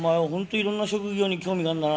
いろんな職業に興味があるんだな。